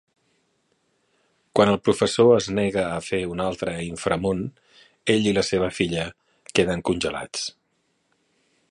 Quan el professor es nega a fer un altre Inframón, ell i la seva filla queden congelats.